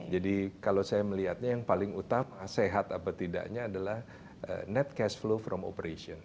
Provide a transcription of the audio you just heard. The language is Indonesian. jadi kalau saya melihatnya yang paling utama sehat apa tidaknya adalah net cash flow from operation